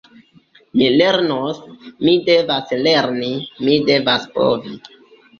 Mi lernos, mi devas lerni, mi devas povi!